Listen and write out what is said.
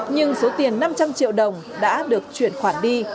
nhưng số tiền năm trăm linh triệu đồng đã được chuyển khoản đi